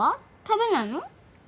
食べないの？